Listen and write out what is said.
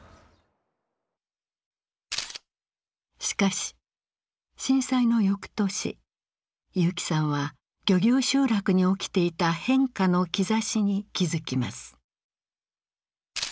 しかし震災の翌年結城さんは漁業集落に起きていた変化の兆しに気付きます。